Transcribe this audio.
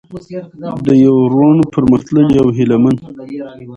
د يو روڼ، پرمختللي او هيله من